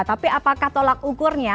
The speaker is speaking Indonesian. tapi apakah tolak ukurnya